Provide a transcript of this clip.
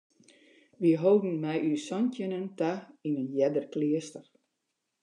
Wy holden mei ús santjinnen ta yn in earder kleaster.